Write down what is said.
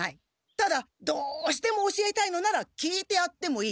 ただどうしても教えたいのなら聞いてやってもいい。